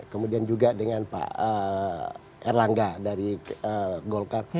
kemudian juga dengan pak erlangga dari golkar